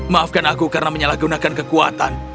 maafkan aku karena menyalahgunakan kekuatan